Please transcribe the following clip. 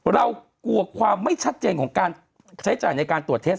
เรากลัวความไม่ชัดเจนของการใช้จ่ายในการตรวจเท็จ